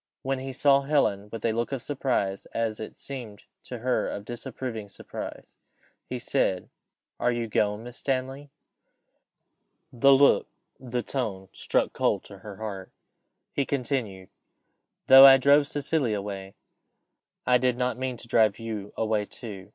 When he saw Helen with a look of surprise as it seemed to her, of disapproving surprise he said, "Are you gone, Miss Stanley?" The look, the tone, struck cold to her heart. He continued "Though I drove Cecilia away, I did not mean to drive you away too.